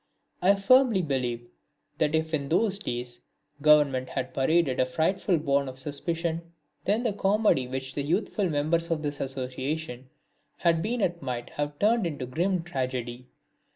I firmly believe that if in those days Government had paraded a frightfulness born of suspicion, then the comedy which the youthful members of this association had been at might have turned into grim tragedy.